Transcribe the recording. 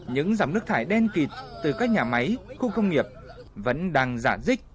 những dòng nước thải đen kịt từ các nhà máy khu công nghiệp vẫn đang giả dích